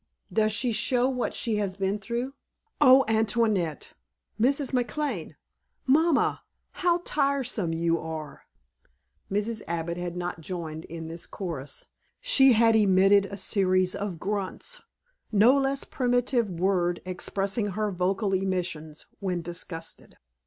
Does she show what she has been through.... Oh, Antoinette Mrs. McLane Mamma how tiresome you are!" Mrs. Abbott had not joined in this chorus. She had emitted a series of grunts no less primitive word expressing her vocal emissions when disgusted.